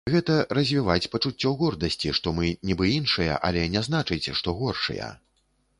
Гэта развіваць пачуццё гордасці, што мы нібы іншыя, але не значыць, што горшыя.